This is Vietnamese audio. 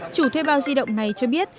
chủ thuê bao di động này cho biết